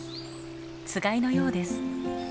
つがいのようです。